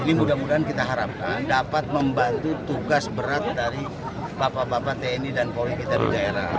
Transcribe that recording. ini mudah mudahan kita harapkan dapat membantu tugas berat dari bapak bapak tni dan polri kita di daerah